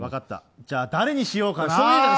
じゃあ誰にしようかな。